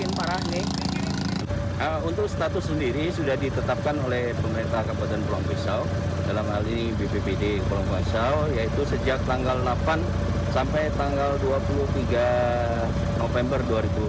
untuk status sendiri sudah ditetapkan oleh pemerintah kabupaten pulang pisau dalam hal ini bppd pulau basau yaitu sejak tanggal delapan sampai tanggal dua puluh tiga november dua ribu dua puluh